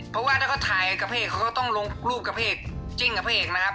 เพราะว่าถ้าเขาถ่ายกับเพจเขาก็ต้องลงรูปกับเพจจิ้งกับพระเอกนะครับ